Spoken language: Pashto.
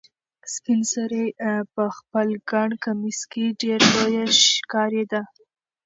سپین سرې په خپل ګڼ کمیس کې ډېره لویه ښکارېده.